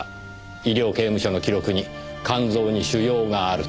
医療刑務所の記録に肝臓に腫瘍があると。